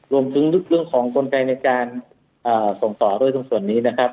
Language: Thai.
รวมถึงเรื่องของกลไกในการส่งต่อด้วยตรงส่วนนี้นะครับ